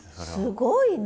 すごいね。